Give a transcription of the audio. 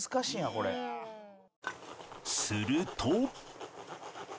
すると